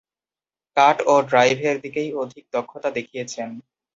কাট ও ড্রাইভের দিকেই অধিক দক্ষতা দেখিয়েছেন।